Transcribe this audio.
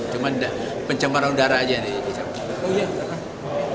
cuma pencemaran udara saja yang dicabut